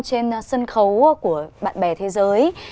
trên sân khấu của bạn bè thế giới